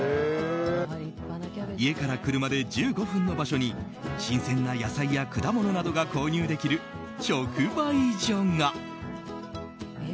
家から車で１５分の場所に新鮮な野菜や果物などが購入できる直売所が。